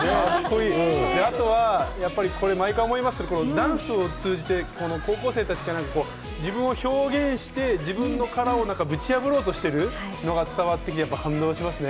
あとは毎回思いますが、ダンスを通じて高校生たちが自分を表現して、自分の殻をぶち破るのが伝わってきて感動しますね。